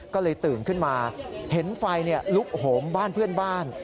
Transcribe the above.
ก็เลยตื่นขึ้นมาเห็นไฟลุกโหมบ้านเพื่อนบ้าน